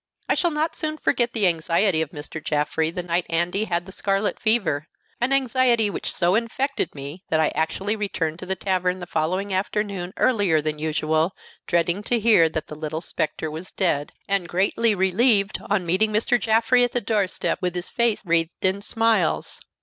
I shall not soon forget the anxiety of Mr. Jaffrey the night Andy had the scarlet fever an anxiety which so infected me that I actually returned to the tavern the following afternoon earlier than usual, dreading to hear that the little spectre was dead, and greatly relieved on meeting Mr. Jaffrey at the door step with his face wreathed in smiles.